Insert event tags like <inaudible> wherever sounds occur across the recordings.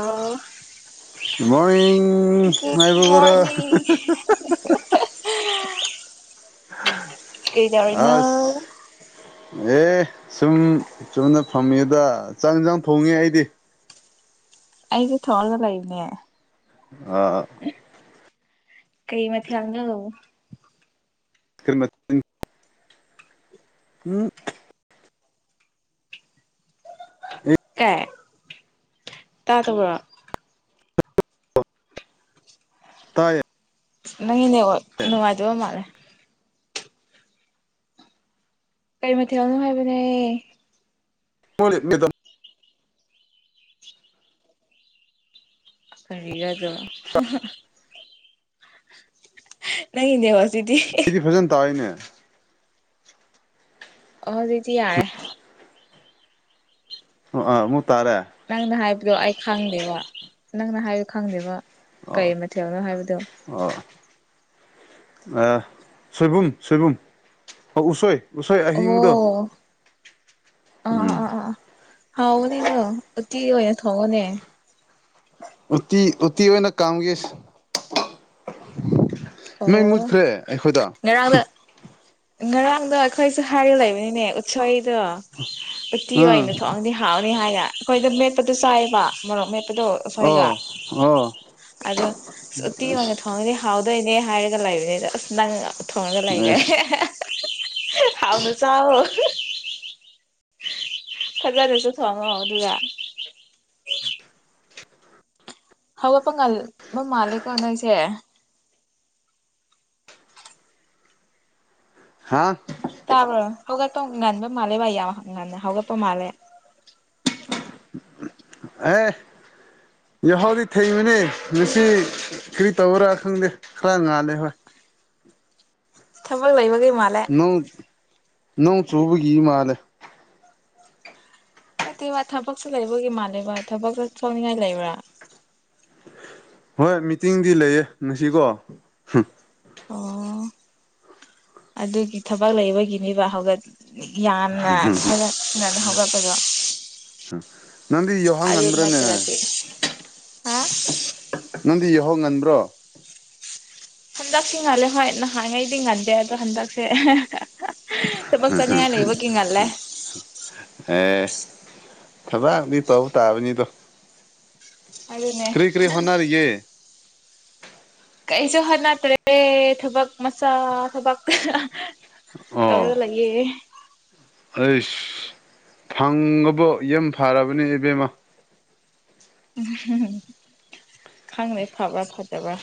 ꯑꯥ good morning good ꯍꯥꯏꯕꯒꯔ morning ꯀꯩꯗꯧꯔꯤꯅꯣ ꯑꯁ ꯑꯦ ꯁꯨꯝ ꯆꯨꯝꯅ ꯐꯝꯃꯦꯗ ꯆꯥꯡ ꯌꯦꯡꯁꯥꯡ ꯊꯣꯡꯉꯦ ꯑꯩꯗꯤ ꯑꯩꯗꯤ ꯊꯣꯜꯂꯒ ꯂꯩꯕꯅꯦ ꯑꯥ ꯀꯩ ꯃꯊꯦꯜꯅꯣ ꯐꯔ ꯃ <inaudible> ꯎꯝ ꯀꯥꯏ ꯇꯗꯕꯔꯣ ꯇꯥꯏ ꯅꯪꯒꯤ ꯅꯦꯠꯋꯥꯛ ꯅꯨꯡꯉꯥꯏꯇꯕ ꯃꯥꯜꯂꯦ ꯀꯔꯤ ꯃꯊꯦꯜ ꯂꯧꯅꯣ ꯍꯥꯏꯕꯅꯦ ꯍ ꯃꯤꯇꯝ <inaudible> ꯀꯔꯤꯂ ꯑꯗꯣ ꯅꯪꯒꯤ ꯅꯦꯠꯋꯥꯛ ꯑꯩꯗꯤ ꯐꯖꯅ ꯇꯥꯏꯅꯦ ꯍꯧꯖꯤꯛꯇꯤ ꯌꯥꯏ ꯑꯣ ꯑꯥ ꯇꯥꯔꯦ ꯅꯪꯅ ꯍꯥꯏꯕꯗꯣ ꯑꯩ ꯈꯪꯗꯦꯕ ꯅꯪꯅ ꯍꯥꯏꯕꯣ ꯈꯪꯗꯦꯕ ꯀꯩ ꯃꯊꯦꯜꯅꯣ ꯍꯥꯏꯕꯗꯣ ꯑ ꯁꯣꯏꯕꯨꯝ ꯁꯣꯏꯕꯨꯝ ꯑꯣ ꯎꯁꯣꯏ ꯎꯁꯣꯏ ꯑꯍꯤꯡꯕꯗꯣ ꯑ ꯑ ꯑ ꯍꯥꯎꯕꯅꯦꯗꯣ ꯑꯇꯤ ꯑꯣꯏꯅ ꯊꯣꯡꯉꯣꯅꯦ ꯎꯇꯤ ꯎꯇꯤ ꯑꯣꯏꯅ ꯀꯝꯒꯤꯁꯦ ꯃꯩ ꯑꯣ ꯃꯨꯠꯈ꯭ꯔꯦ ꯑꯩꯈꯣꯏꯗ ꯉꯔꯥꯡꯗ ꯉꯔꯥꯡꯗꯣ ꯑꯩꯈꯣꯏꯁꯨ ꯍꯥꯏꯔꯒ ꯂꯩꯕꯅꯤꯅꯦ ꯎꯠꯁꯣꯏꯗꯣ ꯎꯠꯇꯤ ꯑꯣꯏꯅ ꯎꯝ ꯊꯣꯛꯑꯗꯤ ꯍꯥꯎꯅꯤ ꯍꯥꯏꯅ ꯑꯩꯈꯣꯏꯗ ꯃꯦꯠꯄꯗꯨꯣ ꯆꯥꯏꯌꯦꯕ ꯃꯔꯣꯛ ꯃꯦꯠꯄ ꯑꯗꯣ ꯑꯩꯈꯣꯏꯒ ꯑꯣ ꯑꯣ ꯑꯗꯣ ꯎꯇꯤ ꯑꯣꯏꯅ ꯑꯁ ꯊꯣꯡꯉꯗꯤ ꯍꯥꯎ ꯍꯥꯎꯗꯨꯏꯅꯦ ꯍꯥꯏꯔꯒ ꯂꯩꯔꯦ ꯅꯪ ꯊꯣꯡꯉꯒ ꯂꯩꯔꯦ ꯑꯁ ꯍꯥꯎꯅ ꯆꯥꯎꯑꯣ ꯐꯖꯅꯁꯨ ꯊꯣꯡꯉꯣ ꯑꯗꯨꯒ ꯍꯧꯒꯠꯄꯥ ꯉꯜꯕ ꯃꯥꯜꯂꯦꯀꯣ ꯅꯣꯏꯁꯦ ꯍꯥꯥ ꯇꯥꯕꯔꯣ ꯍꯧꯒꯠꯄ ꯉꯟꯕ ꯃꯥꯂꯦꯕ ꯌꯥꯝ ꯉꯥꯡꯅ ꯍꯧꯒꯠꯄ ꯃꯥꯂꯦ ꯑꯦ ꯌꯥꯍꯥꯎꯗꯤ ꯊꯦꯡꯕꯅꯦ ꯉꯁꯤ ꯀꯔꯤ ꯇꯧꯕ꯭ꯔꯥ ꯈꯪꯗꯦ ꯈꯔ ꯉꯥꯜꯂꯦ ꯍꯣꯏ <unintelligible> ꯊꯕꯛ ꯂꯩꯕꯥꯒꯤ ꯅꯣꯡ ꯅꯣꯡ ꯆꯨꯕꯒꯤ ꯃꯂꯦ ꯅꯥꯠꯇꯦꯕ ꯊꯕꯛꯁꯨ ꯂꯩꯕꯒꯤ ꯃꯥꯜꯂꯦꯕ ꯊꯕꯛꯁꯨ ꯁꯨꯅꯤꯡꯉꯥꯏ ꯂꯩꯕ꯭ꯔꯥ ꯍꯣꯏ ꯃꯤꯇꯤꯡꯗꯤ ꯂꯩꯌꯦ ꯉꯁꯤꯀꯣ ꯑꯣ ꯑꯗꯨꯒꯤ ꯊꯕꯛ ꯂꯩꯕꯒꯤꯅꯤꯕ ꯍꯧꯒꯠ ꯌꯥꯝꯅ ꯈꯔꯥ ꯉꯟꯅꯥ ꯍꯧꯒꯠꯄꯗꯣ ꯅꯪꯗꯤ ꯌꯨꯍꯧ ꯑꯗꯨ ꯉꯟꯗ꯭ꯔꯦꯅꯦ ꯅꯠꯇ꯭ꯔꯗꯤ ꯍꯥ ꯅꯪꯗꯤ ꯌꯥꯎꯍꯧ ꯉꯟꯕ꯭ꯔꯣ ꯍꯟꯗꯛꯁꯤ ꯉꯜꯂꯦ ꯍꯣꯏ ꯅꯍꯥꯟꯉꯩꯗꯤ ꯉꯟꯗꯦ ꯑꯗꯣ ꯍꯟꯗꯛꯁꯦ ꯊꯕꯛ ꯍꯥ ꯍꯥ ꯆꯠꯅꯤꯡꯉꯥꯏ ꯍ ꯂꯩꯕꯒꯤ ꯉꯜꯂꯦ ꯌꯦ ꯊꯕꯥꯛꯗꯤ ꯇꯥꯎ ꯇꯥꯕꯅꯤꯗꯣ ꯑꯗꯨꯅꯦ ꯀ꯭ꯔꯤ ꯀ꯭ꯔꯤ ꯍꯅ ꯌꯦ ꯀꯩꯁꯨ ꯍ ꯅꯠꯇ꯭ꯔꯦꯦ ꯊꯕꯛ ꯃꯁꯥ ꯊꯕꯛ ꯑꯣ ꯆꯥꯎꯧꯔꯒ ꯂꯦ ꯑꯩꯁ ꯐꯪꯉꯕꯣ ꯌꯥꯝ ꯐꯔꯕꯅꯦ ꯏꯕꯦꯝꯃ ꯎꯝ ꯈꯪꯅꯦ ꯐꯕ꯭ꯔꯥ ꯐꯠꯇꯕ꯭ꯔꯥ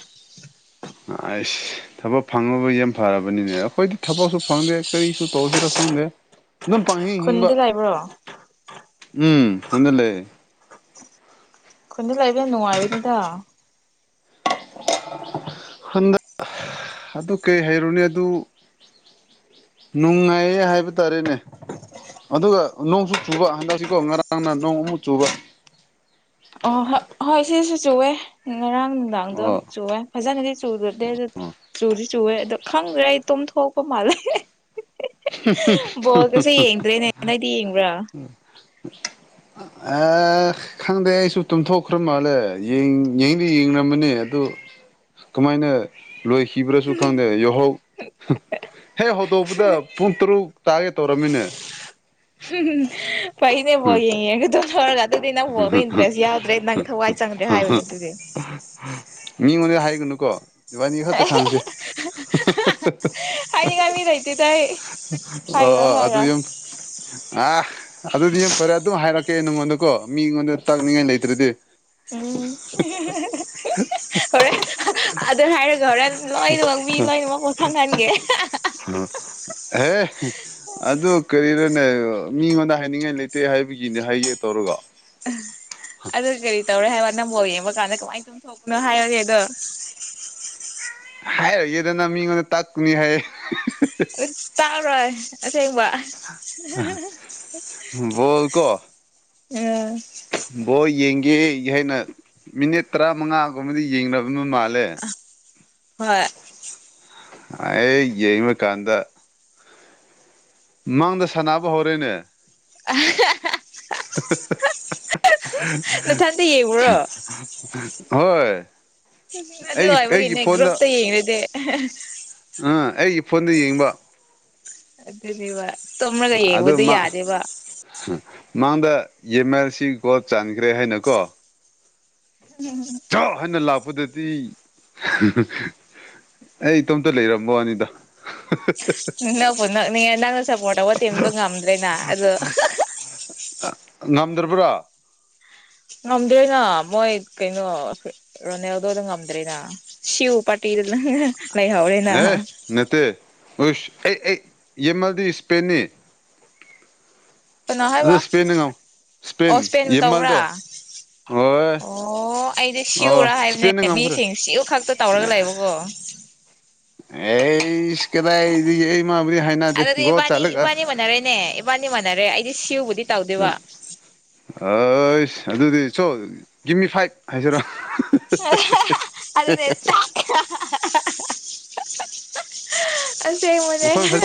ꯑꯁ ꯊꯕꯛ ꯐꯪꯉꯕ ꯌꯥꯝ ꯐꯔꯕꯅꯤꯅꯦ ꯑꯩꯈꯣꯏꯗꯤ ꯊꯕꯛꯁꯨ ꯐꯪꯗꯦ ꯀꯔꯤꯁꯨ ꯇꯧꯁꯤꯔ ꯈꯪꯗꯦ ꯑꯗꯨꯝ ꯄ ꯍ ꯍꯤꯡꯕ ꯈꯨꯟꯗ ꯂꯩꯕ꯭ꯔꯣ ꯎꯝ ꯍꯅ ꯂꯩꯦ ꯑꯩꯟꯗ ꯂꯥꯛꯏꯕ ꯅꯨꯡꯉꯥꯏꯕꯅꯤꯗ ꯍꯟꯗꯛ ꯑꯗꯨ ꯀꯩ ꯍꯩꯔꯨꯅꯦ ꯑꯗꯨ ꯅꯨꯡꯉꯥꯏꯌꯦ ꯍꯥꯏꯕ ꯇꯥꯔꯦꯅꯦ ꯑꯗꯨꯒ ꯅꯣꯡꯁꯨ ꯆꯨꯕ ꯍꯟꯗꯛꯁꯤꯀꯣ ꯉꯔꯥꯡ ꯅꯣꯡ ꯃꯨꯡ ꯆꯕ ꯑꯣ ꯍ ꯍꯣꯏ ꯁꯤ ꯁꯤ ꯆꯋꯦ ꯉꯔꯥꯡ ꯅꯨꯡꯗꯥꯡꯗꯣ ꯑꯣ ꯆꯨꯋꯦ ꯐꯖꯅꯗꯤ ꯆꯨꯗꯣꯗꯦ ꯑꯗꯨ ꯑꯣ ꯆꯨꯗꯤ ꯆꯨꯋꯦ ꯑꯗ ꯈꯪꯗ꯭ꯔ ꯑꯩ ꯇꯝ ꯊꯒ ꯃꯥꯂꯦ ꯌꯦꯡꯗ꯭ꯔꯦꯅꯦ ꯅꯣꯏꯗꯤ ꯌꯦꯡꯕ꯭ꯔꯥ ꯎꯝ ꯑꯦ ꯈꯪꯗꯦ ꯑꯩꯁꯨ ꯇꯨꯝꯊꯣꯛꯈ꯭ꯔ ꯃꯥꯜꯂꯦꯡꯗ ꯌꯦꯡꯝꯕꯅꯤ ꯑꯗꯨ ꯀꯃꯥꯏꯅ ꯂꯣꯏꯈꯤꯕ꯭ꯔꯁꯨ ꯈꯪꯗꯦ ꯌꯦꯍꯧ ꯍꯦ ꯍꯧꯗꯧꯕꯗ ꯄꯨꯡ ꯇꯔꯨꯛ ꯇꯥꯒꯦ ꯇꯧꯔꯝꯃꯤꯅꯦ ꯎꯝ ꯄꯩꯅꯦꯦ ꯄꯦ ꯌꯦ ꯇꯣꯅ ꯋꯥꯔꯒ ꯆꯪꯗ꯭ꯔꯦ ꯍꯥꯏꯕꯅꯤ ꯑꯗꯨꯗꯤ ꯃꯤ ꯃ ꯍꯥꯏ ꯀꯩꯒꯅꯨ ꯀꯣ ꯏꯕꯥꯅꯤ ꯈꯛꯇ ꯈꯥꯡꯁꯦ ꯍꯥꯏꯅꯤꯡꯉꯥꯏ ꯃꯤ ꯂꯩꯇꯦꯗ ꯑꯩ ꯑꯣ ꯍꯥꯏꯔꯣꯏ ꯑꯣ ꯑꯗꯨ ꯍꯥꯏꯔꯣꯏ ꯌꯨꯝ ꯑ ꯑꯗꯨꯗꯤ ꯌꯥꯝ ꯐꯔꯦ ꯑꯗꯨꯝ ꯍꯥꯏꯔꯛꯀꯦ ꯅꯉꯣꯟꯗꯀꯣ ꯃꯤꯉꯣꯟꯗ ꯇꯛꯅꯤꯡꯉꯥꯏ ꯂꯩꯇ꯭ꯔꯗꯤ ꯎꯝ ꯍꯣꯔꯦꯟ ꯑꯗꯨꯅ ꯍꯥꯏꯔꯒꯦ ꯍꯣꯔꯦꯟ ꯂꯣꯏꯅꯃꯛ ꯇ ꯂꯣꯏꯃ ꯀꯊꯥ ꯈꯥꯟꯒꯦ ꯑꯗꯨ ꯀꯔꯤ ꯃꯤꯉꯣꯟꯗ ꯍꯥꯏꯅꯤꯡꯉꯥꯏ ꯂꯩꯇꯦ ꯍꯥꯏꯕꯒꯤꯅꯦ ꯍꯥꯏꯒꯦ ꯇꯧꯔꯒ ꯑꯗ ꯀꯔꯤ ꯇꯧ꯭ꯔꯦ ꯍꯥꯏꯦ ꯃꯥ ꯅ ꯑꯃ ꯌꯦꯡꯕ ꯀꯥꯟꯗ ꯀꯃꯥꯏꯅ ꯇꯧꯅ ꯊꯣꯛꯣꯛꯅꯣ ꯍꯥꯏꯔꯒꯦ ꯑꯗꯣ ꯍꯥꯏꯔꯒꯦꯗꯅ ꯃꯤꯉꯣꯟꯗ ꯇꯥꯛꯀꯨꯅꯤ ꯍꯥꯏꯌꯦ ꯇꯥꯛꯔꯣꯏ ꯑꯁꯦꯡꯕ ꯀꯣ ꯎ ꯕ ꯌꯦꯡ ꯀ ꯍꯥꯏꯅ ꯃꯤꯅꯤꯠ ꯇꯔꯥ ꯃꯉꯥꯒꯨꯝꯕꯗꯤ ꯌꯦꯡꯅꯕꯅ ꯃꯥꯜꯂꯦ ꯍꯣꯏ ꯑꯦ ꯌꯦꯕ ꯀꯥꯟꯗ ꯃꯥꯡꯗ ꯁꯥꯟꯅꯕ ꯍꯣꯔꯦꯅꯦ ꯑ ꯅꯊꯟꯇ ꯌꯦꯡꯕ꯭ꯔꯣ <unintelligible> ꯍꯣꯏ ꯑꯗꯨ ꯑꯩ ꯍꯥꯏꯕꯒꯤꯅꯦ ꯒ꯭ꯔꯨꯞꯇ ꯌꯦꯡꯉꯨꯗꯤ ꯎꯥ ꯑꯩ ꯐꯣꯟꯗ ꯌꯦꯡꯕ ꯑꯗꯨꯅꯦꯕ ꯇꯣꯝꯂꯒ ꯑꯗꯨ ꯌꯦꯡꯕꯗ ꯃꯥ ꯌꯥꯗꯦꯕ ꯃꯥꯡꯗ ꯌꯦꯦꯝ ꯑꯔ ꯁꯤ ꯒꯣ ꯆꯥꯟꯈ꯭ꯔꯦ ꯍꯥꯏꯅꯀꯣ ꯆꯥꯎꯥꯛ ꯍꯥꯏꯅ ꯂꯥꯛꯄꯗꯗꯤ ꯑꯩ ꯏꯇꯣꯝꯇ ꯂꯩꯔꯝꯃ ꯋꯥꯅꯤꯗ ꯅꯛꯄꯣ ꯅꯛꯅꯤꯡꯉ ꯅꯪꯅ ꯁꯞꯄꯣꯔꯠ ꯇꯧꯕ ꯇꯦꯝꯗꯣ ꯉꯝꯗ꯭ꯔꯦꯅ ꯑꯗꯣ ꯉꯝꯗ꯭ꯔꯕ꯭ꯔꯥ ꯉꯝꯗ꯭ꯔꯦꯅ ꯃꯣꯏ ꯀꯩꯅꯣ ꯔꯣꯅꯦꯌꯥꯗꯣꯗ ꯉꯝꯗ꯭ꯔꯦꯅ ꯁꯤꯨ ꯄꯥꯔꯇꯤ ꯗꯅ ꯍꯦ ꯑꯦ ꯅꯠꯇꯦꯁ ꯑꯩ ꯌꯦꯃꯜꯗꯤ ꯏꯁꯄꯦꯟꯅꯤ ꯀꯩꯅꯣ ꯑꯗꯨ ꯍꯥꯏꯕ ꯏꯁꯄꯦꯟꯅ ꯉꯝ ꯏꯁꯄꯦꯟ ꯑꯣ ꯏꯁꯄꯦꯟꯕꯨ ꯇꯧꯕ꯭ꯔꯥ ꯌꯦꯃꯜꯗꯣ ꯍꯣꯏ ꯑꯣ ꯑꯩꯗꯤ ꯑꯣ ꯁꯤꯌꯎꯨꯔ ꯏꯁꯄꯦꯟꯅ ꯍꯥꯏꯕꯅꯦ ꯃꯤꯁꯤꯡ ꯁꯤꯌꯎ ꯈꯛꯇ ꯇꯧꯔꯒ ꯂꯩꯕꯀꯣ ꯑꯦ ꯑꯗꯤ ꯒꯣꯜ ꯏꯕꯥꯅꯤ ꯆꯜꯂꯒ ꯏꯕꯥꯅꯤꯅꯤ ꯃꯅꯔꯦꯅꯦ ꯏꯕꯥꯅꯤꯅꯤ ꯃꯅꯔꯦ ꯑꯩꯗꯤ ꯁꯤꯨ ꯑ ꯑꯩ ꯑꯗꯨꯗꯤ ꯁꯣ ꯀꯤꯃꯤ ꯐꯥꯏꯚ ꯍꯥꯏꯖꯔꯣ ꯑꯗꯨꯗꯅꯦꯠꯇ ꯑꯁ ꯃꯅꯦ ꯃꯈꯣꯏ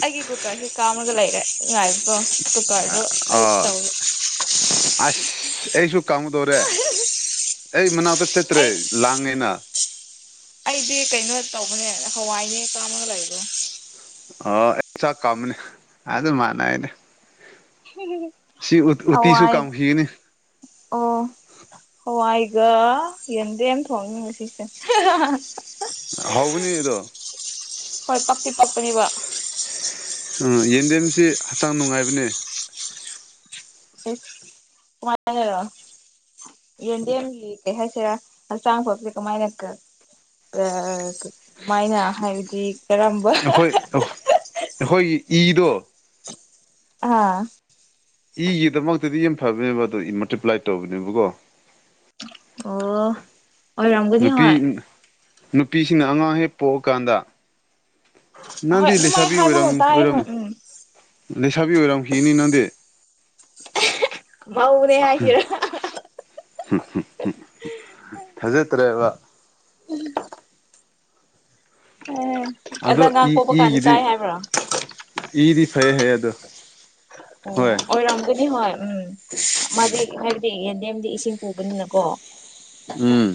ꯂꯒꯦ ꯀꯣ ꯀ ꯀꯝ ꯑꯗꯨ ꯂꯩꯔꯦ ꯉꯥꯏꯄꯣ ꯇꯨꯀꯥꯔꯣ ꯑꯩ ꯑꯥ ꯇꯧ ꯑꯁ ꯑꯩꯁꯨ ꯀꯥꯎꯉꯗꯧꯔꯦ ꯑꯩ ꯃꯅꯥꯛꯇ ꯆꯠꯇ꯭ꯔꯦ ꯑꯩ ꯂꯥꯡꯉꯦꯅ ꯑꯩꯗꯤ ꯀꯩꯅꯣ ꯇꯧꯕꯅꯦ ꯍꯋꯥꯏꯅꯦ ꯀꯥꯝꯃꯒ ꯂꯩꯕꯣ ꯑꯣ ꯆ ꯀꯃꯅꯦ ꯑ ꯑꯗꯨ ꯃꯥꯅꯅꯦ ꯑꯏ ꯀꯥꯝꯈꯤꯒꯅꯤ ꯑꯣ ꯍꯏ ꯒ ꯌꯦꯟꯗꯦꯝ ꯊꯣꯡꯉꯤꯉ ꯁꯤꯁꯦ ꯍꯥꯎꯒꯅꯤ ꯑꯩꯗꯣ ꯍꯣꯏ ꯄꯥꯛꯄꯤ ꯄꯥꯛꯄꯅꯦꯕ ꯎ ꯌꯦꯟꯗꯦꯝꯁꯤ ꯍꯛꯆꯥꯡ ꯅꯨꯡꯉꯥꯏꯕꯅꯦ ꯀꯃꯥꯏ ꯌꯟꯗꯤꯒꯤ ꯀꯩ ꯍꯥꯏꯁꯤꯔ ꯁꯥꯡ ꯐ ꯀꯃꯥꯏꯅꯀ ꯑꯗꯨꯃꯥꯏꯅ ꯍꯥꯏꯕꯗꯤ ꯀꯔꯝꯕ ꯑꯩꯈꯣꯏ ꯑꯩꯈꯣꯏꯒꯤ ꯏꯗꯣ ꯑꯥ ꯏꯒꯤꯗꯃꯛꯇꯗꯤ ꯌꯥꯝ ꯐꯕꯅꯦꯕ ꯑꯗꯣ ꯃꯜꯇꯤꯄ꯭ꯂꯥꯏ ꯇꯧꯕꯅꯦꯕꯀꯣ ꯑꯣ ꯑꯣꯔꯝꯒꯅꯤ ꯍ ꯅꯨꯄꯤ ꯅꯨꯄꯤꯁꯤꯡꯅ ꯑꯉꯥꯡ ꯍꯦꯛ ꯄꯣꯛꯑꯀꯥꯟꯗ ꯍꯣꯏ ꯅꯪꯗꯤ ꯑꯗꯨꯃꯥꯏꯅ ꯂꯩꯁꯥꯕꯤ ꯍꯥꯏꯕꯒꯨꯝ ꯑꯣꯏꯔꯝꯅꯤ ꯇꯥꯏ ꯑꯣꯏꯔꯝꯅꯤ ꯍꯣꯏ ꯎꯝ ꯂꯩꯁꯥꯕꯤ ꯑꯣꯏꯔꯝꯈꯤꯅꯤ ꯅꯪꯗꯤ <inaudible> ꯍꯥꯏꯁꯤꯔꯥ ꯐꯥꯖꯠꯇ꯭ꯔꯦꯕ ꯑꯗ ꯑꯗꯣ ꯑꯉꯥꯡ ꯏ ꯄꯣꯛꯄ ꯀꯥꯟꯗ ꯏꯒꯤꯗꯤ ꯆꯥꯏ ꯍꯥꯏꯕ꯭ꯔꯣ ꯏꯗꯤ ꯐꯩ ꯐꯩꯌꯦ ꯑꯗꯣ ꯑꯣ ꯍꯣꯏ ꯑꯣ ꯔꯝꯖꯅꯤ ꯍ ꯎꯝ ꯃꯥꯗꯤ ꯍꯥꯏꯕꯗꯤ ꯅꯦꯝꯗꯤ ꯏꯁꯤꯡ ꯄꯨꯕꯅꯤꯅꯀꯣ ꯎꯝ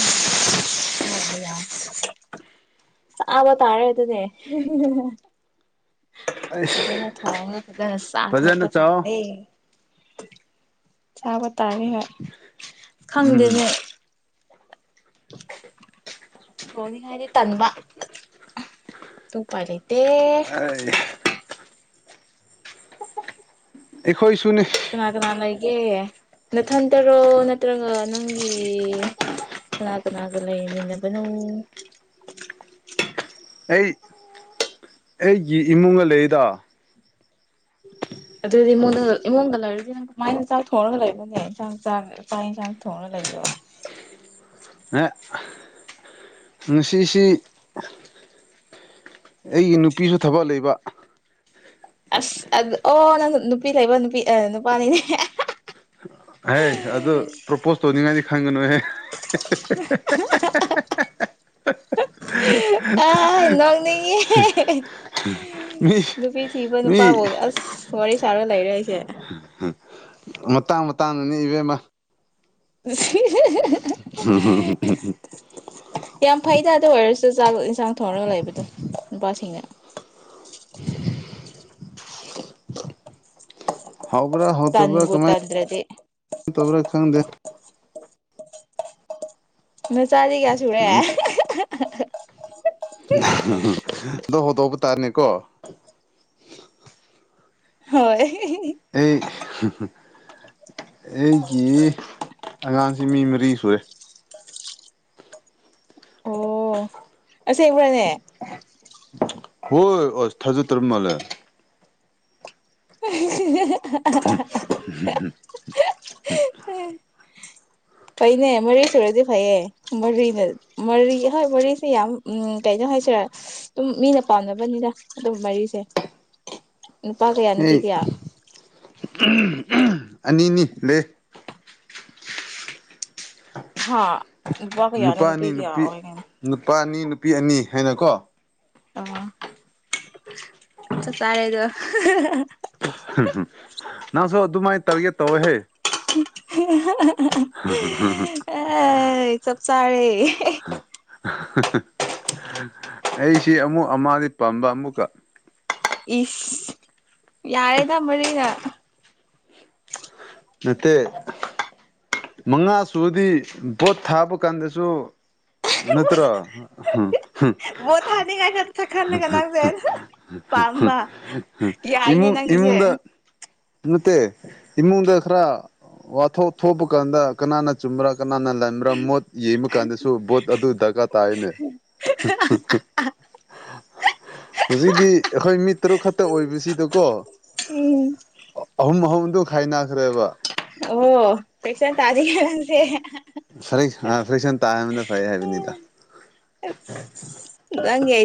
ꯑꯗꯨꯒꯤ ꯍꯣꯏꯕ ꯌꯥꯏ ꯆꯕ ꯇꯥꯔꯦ ꯍꯥꯏ ꯑꯗꯨꯅꯦ ꯑꯩꯁ ꯗ ꯐꯖꯅ ꯁꯥꯊꯣꯄ ꯆꯥꯎ ꯇꯥꯅꯦ ꯆꯥꯕ ꯇꯥꯔꯦ ꯍꯣꯏ ꯑ ꯎꯝ ꯈꯪꯗꯦꯅꯦ ꯍꯅꯤ ꯍꯥꯏꯥꯏꯗꯤ ꯊꯟꯕ ꯇꯨꯡ ꯄꯥꯏ ꯂꯩ ꯑꯩ ꯑꯦꯈꯣꯏꯁꯨ ꯀꯅꯥꯀꯅꯥꯅꯥꯒꯤ ꯅꯊꯟꯇꯔꯣ ꯅꯠꯇ꯭ꯔꯒ ꯅꯪꯒꯤ ꯂꯅꯥꯒ ꯂꯅꯥꯒ ꯂꯩꯃꯤꯟꯅꯕꯅ ꯑꯩ ꯑꯩꯒꯤ ꯏꯃꯨꯡꯒ ꯂꯩꯗ <inaudible> ꯑꯗꯨꯏꯗꯤ ꯏꯉꯣꯟꯗ ꯏꯃꯨꯡꯗ ꯂꯩꯔꯗꯤ ꯅꯪ ꯀꯃꯥꯏꯅ ꯆꯥꯛ ꯊꯣꯡꯉꯒ ꯂꯩꯕꯅꯦ ꯏꯟꯁꯥꯡ ꯆꯥꯛ ꯂꯄꯥ ꯌꯦꯟꯁꯥꯡ ꯊꯣꯡꯉꯒ ꯂꯩꯕꯣ <unintelligible> ꯑꯦ ꯉꯁꯤꯁꯤ ꯑꯩꯒꯤ ꯅꯨꯄꯤꯁꯨ ꯊꯕꯛ ꯂꯩꯕ ꯑꯁ ꯑꯗꯨ ꯑꯣ ꯅꯪ ꯅꯨꯄꯤ ꯂꯩꯕ ꯅꯨꯄꯤ ꯑꯦ ꯅꯨꯄꯥꯅꯤꯅꯦ ꯑꯦ ꯍꯍꯦ ꯍꯥꯥ ꯍꯥ ꯍꯥꯏ ꯑꯗꯨ ꯄ꯭ꯔꯣꯄꯣꯁ ꯇꯧꯅꯤꯡꯉꯥꯏꯗꯤ ꯈꯟꯒꯅꯨꯍꯦ ꯑꯍꯥ ꯑꯍꯥ ꯑꯍꯥ ꯑꯍꯥ ꯍꯍ ꯑꯥꯏ ꯅꯣꯡꯅꯤꯡꯉꯦꯍꯦ ꯃꯤ ꯅꯨꯄꯤ ꯊꯤꯕ ꯃꯤ ꯅꯨꯄꯥꯕꯎꯒ ꯑꯁ ꯋꯥꯔꯤ ꯁꯥꯔ ꯂꯩꯔꯦ ꯑꯩꯁꯦ ꯃꯇꯥꯡ ꯃꯇꯥꯡꯅꯅꯦ ꯏꯕꯦꯝꯃ ꯍꯤ ꯍꯥ ꯍꯥ ꯍꯥ ꯍꯥ ꯍꯍ ꯌꯥꯝ ꯐꯩꯗ ꯑꯗꯨ ꯑꯣꯏꯔꯁꯨ ꯆꯥꯛ ꯆꯥꯛ ꯏꯟꯁꯥꯡ ꯊꯣꯡꯔꯒ ꯂꯩꯕꯗꯣ ꯅꯨꯄꯥꯁꯤꯡꯅ ꯍꯥꯎꯕ꯭ꯔꯥ ꯍꯥꯎꯇꯕ꯭ꯔꯥ ꯇꯟꯕꯨ ꯀꯃꯥꯏ ꯇꯟꯗ꯭ꯔꯗꯤ ꯇꯧꯕ꯭ꯔꯥ ꯈꯪꯗꯦ ꯅꯆꯥꯥꯗꯤ ꯀꯌꯥ ꯁꯨꯨꯔꯦ ꯑꯍ ꯍ ꯍ ꯍ ꯍ ꯇꯥꯠꯅꯦꯀꯣ ꯍꯣꯏ ꯑꯩ ꯍꯨꯡ ꯍꯨꯡ ꯑꯩꯒꯤ ꯑꯉꯥꯡꯁꯤ ꯃꯤ ꯃꯔꯤ ꯁꯨꯔꯦ ꯑꯣ ꯑꯁꯦꯡꯕ꯭ꯔꯅꯦ ꯍꯣꯏ ꯑꯁ ꯊꯖꯗ꯭ꯔ ꯃꯥꯜꯂꯦ ꯑꯍꯤ ꯍꯤ ꯍꯤ ꯍꯤ ꯍꯥ ꯍꯍ ꯍ ꯎꯝ ꯐꯩꯅꯦ ꯃꯔꯤ ꯁꯨꯔꯗꯤ ꯐꯩꯌꯦ ꯃꯔꯤꯅ ꯃꯔꯤ ꯍꯣꯏ ꯃꯔꯤꯁꯦ ꯌꯥꯝ ꯎꯝ ꯀꯩꯅꯣ ꯍꯥꯏꯁꯔꯦ ꯑꯗꯨꯝ ꯃꯤꯅ ꯄꯥꯝꯅꯕꯅꯤꯗ ꯑꯗꯨꯝ ꯃꯔꯤꯁꯦ <unintelligible> ꯅꯨꯄꯥ ꯀꯌꯥ ꯅꯨꯄꯤ ꯀꯌꯥ ꯎꯝ ꯎꯝ ꯑꯅꯤꯅꯤ ꯂꯩ ꯍꯥꯥ ꯅꯨꯄꯥ ꯀꯌꯥꯅꯣ ꯅꯨꯄꯤ ꯀꯌꯥ ꯑꯣꯏ ꯅꯨꯄꯥ ꯑꯅꯤ ꯅꯨꯄꯤ ꯑꯅꯤ ꯍꯥꯏꯅꯀꯣ ꯑꯣ ꯆꯞ ꯆꯥꯔꯦꯗ ꯍ ꯍ ꯍ ꯍꯨꯝ ꯍꯨꯝ ꯅꯪꯁꯨ ꯑꯗꯨꯃꯥꯏ ꯇꯧꯔꯒꯦ ꯇꯧꯋꯣꯍꯦ ꯍꯨꯡ ꯑꯍꯥ ꯑꯍꯥ ꯍꯥ ꯍꯥ ꯍ ꯥꯍꯥ ꯆꯞ ꯆꯥꯔꯦ ꯍꯥ ꯑꯍꯥ ꯍꯥ ꯍꯥ ꯍꯥ ꯑꯩꯁꯤ ꯑꯃꯨꯛ ꯑꯃꯗꯤ ꯄꯥꯝꯕ ꯑꯃꯨꯛꯀ ꯏꯁ ꯌꯥꯔꯦꯗ ꯃꯔꯤꯒ ꯅꯠꯇꯦ ꯃꯉꯥ ꯁꯨꯕꯗꯤ ꯄꯣꯠ ꯊꯥꯕ ꯀꯥꯟꯗꯁꯨ ꯅꯠꯇ꯭ꯔꯣ ꯍꯥ ꯍ ꯍ ꯚꯣꯠ ꯊꯥꯅꯤꯡꯉꯥꯏ ꯈꯛꯇ ꯈꯜꯂꯒ ꯍ ꯅꯪꯁꯦ ꯍꯍ ꯍ ꯄꯥꯝꯕ ꯍ ꯌꯥꯏꯅꯦ ꯏꯃꯨꯡ ꯅꯪꯒꯤꯁꯦ ꯏꯃꯨꯡꯗ ꯅꯠꯇꯦ ꯏꯃꯨꯡꯗ ꯈꯔ ꯋꯥꯊꯣꯛ ꯊꯣꯛꯄ ꯀꯥꯟꯗ ꯀꯅꯥꯅ ꯆꯨꯝꯕ꯭ꯔꯥ ꯀꯅꯥꯅ ꯂꯥꯟꯕ꯭ꯔꯥ ꯃꯣꯠ ꯌꯦꯡꯕ ꯀꯥꯟꯗꯁꯨ ꯕꯣꯠ ꯑꯗꯨ ꯗꯔꯀꯥꯔ ꯇꯥꯏꯌꯦꯅꯦ ꯍ ꯍ ꯍ ꯍ ꯍꯧꯖꯤꯛꯇꯤ ꯑꯩꯈꯣꯏ ꯃꯤ ꯇꯔꯨꯛ ꯈꯛꯇ ꯑꯣꯏꯕꯁꯤꯗꯀꯣ ꯎꯝ ꯑꯍꯨꯝ ꯑꯍꯨꯝꯗꯨ ꯈꯥꯏꯅꯈ꯭ꯔꯦꯕ ꯑꯣ ꯐ꯭ꯔꯦꯛꯁꯟ ꯇꯥꯖꯦ ꯀꯅꯁꯦ ꯍꯦ ꯍꯥ ꯐꯔꯦ ꯍꯥꯟꯅ ꯐ꯭ꯔꯦꯛꯁꯟ ꯇꯥꯍꯟꯕ ꯐꯩ ꯍꯥꯏꯕꯅꯤꯗ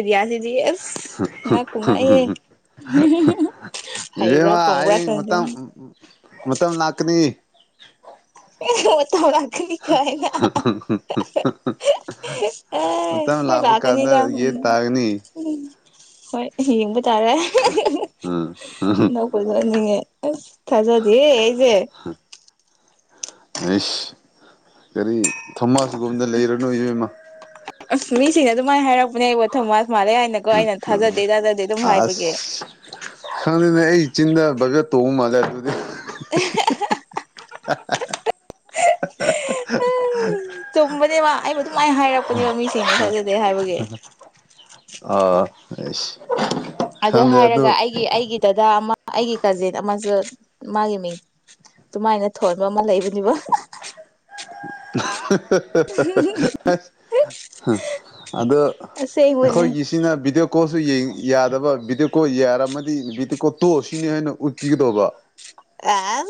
ꯔꯤ ꯑꯗꯨꯗꯤ ꯑꯁ ꯍ ꯍ ꯉꯛꯄꯨ ꯍ ꯍ ꯉꯛꯏꯍꯦ ꯍ ꯍ ꯍꯍ ꯍꯩꯕ꯭ꯔꯥ ꯏꯕꯦꯝꯃꯥ ꯄꯪꯕ꯭ꯔꯥ ꯑꯩ ꯃꯇꯝ ꯈꯪꯗꯦ ꯃꯇꯝ ꯂꯥꯛꯀꯅꯤ ꯑꯦ ꯍ ꯃꯇꯝ ꯂꯥꯛꯀꯅꯤ ꯀꯥꯏꯅ ꯑꯍꯥ ꯑꯍꯥ ꯍꯥꯥꯍ ꯑꯦ ꯑꯥ ꯃꯇꯝ ꯍꯣꯏ ꯂꯥꯛꯄ ꯀꯥꯟꯗ ꯂꯥꯛꯀꯅꯤꯗ ꯎꯝ ꯌꯦꯠ ꯇꯥꯒꯅꯤ ꯎꯝ ꯍꯣꯏ ꯌꯦꯡꯕ ꯇꯥꯔꯦ ꯑꯍꯦ ꯑꯍꯦ ꯑꯍꯦ ꯅꯣꯛꯄꯨ ꯅꯣꯛꯅꯤꯡꯉꯦ ꯑꯁ ꯊꯥꯖꯗꯤ ꯑꯩꯁꯦ ꯑꯦꯁ ꯀꯔꯤ ꯊꯣꯃꯥꯁꯒꯨꯝꯕꯗ ꯂꯩꯔꯅꯨ ꯏꯕꯦꯝ ꯏꯃ ꯑꯁ ꯃꯤꯁꯤꯡꯅ ꯑꯗꯨꯃꯥꯏꯅ ꯍꯥꯏꯔꯛꯄꯅꯦ ꯑꯩ ꯋꯥꯊ ꯃꯥꯁ ꯃꯥꯜꯂꯦ ꯍꯥꯏꯅꯒꯣ ꯑꯩꯅ ꯊꯥꯖꯗꯦ ꯑꯗꯨꯗꯩ ꯇꯗꯗꯤ ꯑꯗꯨꯝ ꯍꯥꯏꯕꯒꯤꯦ ꯑꯁ ꯈꯪꯗꯦꯅꯦ ꯑꯩ ꯆꯤꯟꯅ ꯒ ꯇꯣꯧ ꯃꯥꯗ ꯑꯗꯨ <unintelligible> <inaudible> ꯆꯨꯝꯕꯅꯦꯕ ꯑꯩꯕꯨ ꯑꯗꯨꯃꯥꯏꯅ ꯍꯥꯏꯔꯛꯄꯅꯦꯕ ꯃꯤꯁꯤꯡꯅ ꯊꯥꯖꯗꯦ ꯍꯥꯏꯕꯒꯤ ꯑꯁ ꯑꯗꯨ ꯍꯥꯏꯔꯒ ꯑꯩꯒꯤ ꯑꯩꯒꯤ ꯗꯗꯥ ꯑꯃ ꯑꯩꯒꯤ ꯀꯥꯖꯤꯟ ꯑꯃꯁꯨ ꯃꯥꯒꯤ ꯃꯤꯡ ꯑꯗꯨꯃꯥꯏꯅ ꯊꯣꯟꯕ ꯑꯃ ꯂꯩꯕꯅꯦꯕ <inaudible> ꯑꯗꯣ ꯑꯁꯦꯡꯕꯅꯦ ꯑꯩꯈꯣꯏꯒꯤꯁꯤꯅ ꯚꯤꯗꯤꯑꯣ ꯀꯣꯁꯨ ꯌꯥꯗꯕ ꯕꯤꯗꯤꯑꯣꯀꯣ ꯌꯥꯔꯝꯃꯗꯤ ꯚꯗꯤꯑꯣꯀꯣ ꯇꯣ ꯁꯤꯅꯤ ꯍꯥꯏꯅ ꯎꯠꯄꯤꯒꯗꯧꯕ ꯑ